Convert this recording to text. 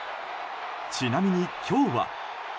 ちなみに、今日は。